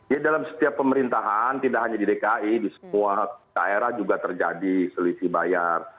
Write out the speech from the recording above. ya dalam setiap pemerintahan tidak hanya di dki di semua daerah juga terjadi selisih bayar